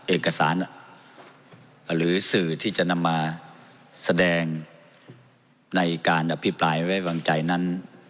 เอกสารหรือสื่อที่จะนำมาแสดงในการอภิปรายไว้วางใจนั้น